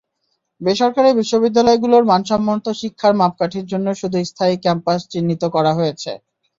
বেসরকারি বিশ্ববিদ্যালয়গুলোর মানসম্মত শিক্ষার মাপকাঠির জন্য শুধু স্থায়ী ক্যাম্পাস চিহ্নিত করা হয়েছে।